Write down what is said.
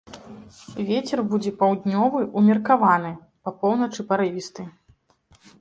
Вецер будзе паўднёвы ўмеркаваны, па поўначы парывісты.